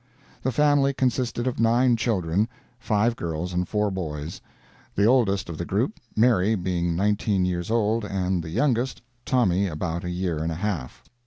The family consisted of nine children—five girls and four boys—the oldest of the group, Mary, being nineteen years old, and the youngest, Tommy, about a year and a half.